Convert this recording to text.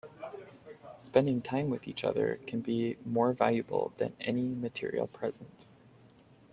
Spending time with each other can be more valuable than any material present.